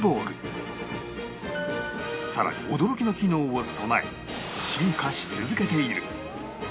さらに驚きの機能を備え進化し続けている